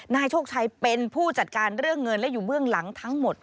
นายโชคชัยเป็นผู้จัดการเรื่องเงินและอยู่เบื้องหลังทั้งหมด